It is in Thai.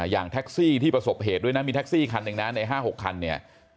อย่างแท็กซี่ที่ประสบเหตุด้วยนะมีแท็กซี่คันหนึ่งนะใน๕๖คันเนี่ย